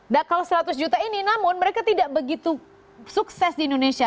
nah kalau seratus juta ini namun mereka tidak begitu sukses di indonesia